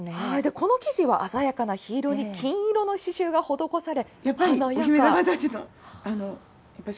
この生地は鮮やかなひ色に金色の刺しゅうが施され。